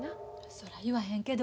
そら言わへんけど。